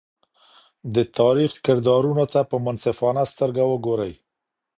د تاریخ کردارونو ته په منصفانه سترګه وګورئ.